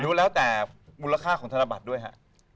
ก็แล้วแต่มูลค่าของธนบัตรด้วยฮะ